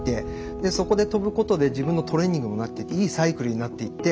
でそこで飛ぶことで自分のトレーニングにもなっていいサイクルになっていって。